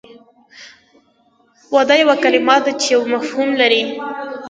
واده یوه کلمه ده چې یو مفهوم لري